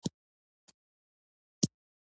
کوچني کاروبارونه د راتلونکي نسل لپاره میراث دی.